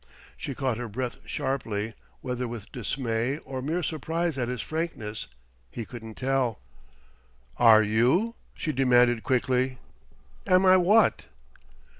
She caught her breath sharply whether with dismay or mere surprise at his frankness he couldn't tell. "Are you?" she demanded quickly. "Am I what?"